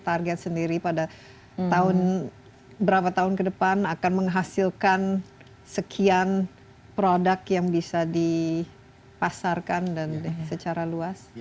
target sendiri pada tahun berapa tahun ke depan akan menghasilkan sekian produk yang bisa dipasarkan dan secara luas